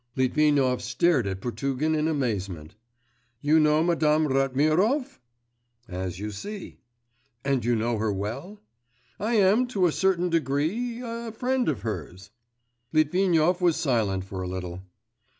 Litvinov stared at Potugin in amazement. 'You know Madame Ratmirov?' 'As you see.' 'And you know her well?' 'I am to a certain degree a friend of hers.' Litvinov was silent for a little.